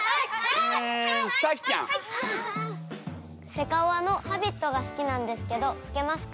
セカオワの「Ｈａｂｉｔ」が好きなんですけど吹けますか？